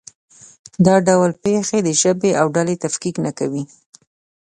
دا ډول پېښې د ژبې او ډلې تفکیک نه کوي.